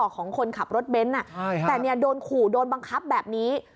ของคนขับรถเบนท์แต่โดนขู่โดนบังคับแบบนี้